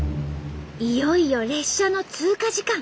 いよいよ列車の通過時間。